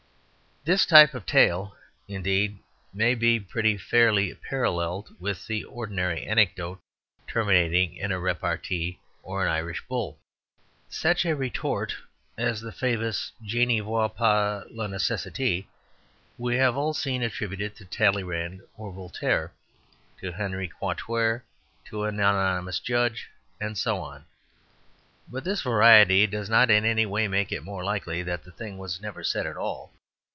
This type of tale, indeed, may be pretty fairly paralleled with the ordinary anecdote terminating in a repartee or an Irish bull. Such a retort as the famous "je ne vois pas la necessite" we have all seen attributed to Talleyrand, to Voltaire, to Henri Quatre, to an anonymous judge, and so on. But this variety does not in any way make it more likely that the thing was never said at all.